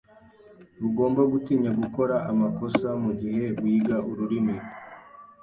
Ntugomba gutinya gukora amakosa mugihe wiga ururimi.